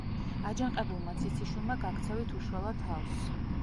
აჯანყებულმა ციციშვილმა გაქცევით უშველა თავს.